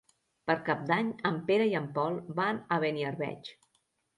Per Cap d'Any en Pere i en Pol van a Beniarbeig.